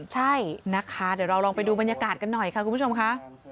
ใช่นะคะเดี๋ยวเราลองไปดูบรรยากาศกันหน่อยค่ะคุณผู้ชมค่ะ